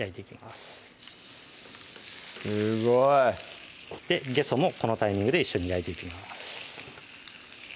すごいげそもこのタイミングで一緒に焼いていきます